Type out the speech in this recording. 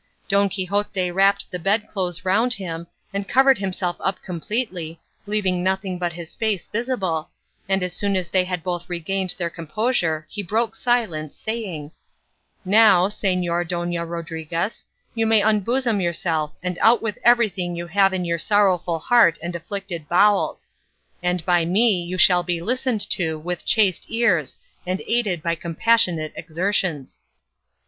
Don Quixote wrapped the bedclothes round him and covered himself up completely, leaving nothing but his face visible, and as soon as they had both regained their composure he broke silence, saying, "Now, Señora Dona Rodriguez, you may unbosom yourself and out with everything you have in your sorrowful heart and afflicted bowels; and by me you shall be listened to with chaste ears, and aided by compassionate exertions."